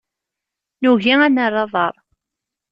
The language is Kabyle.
Nugi ad nerr aḍar.